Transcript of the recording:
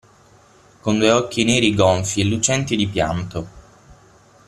Con due occhi neri gonfi e lucenti di pianto.